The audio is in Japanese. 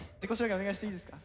お願いしていいですか？